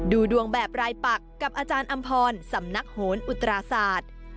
ดูดวงแบบรายปักกับอาจารย์อำพรสำนักโหนอุตราศาสตร์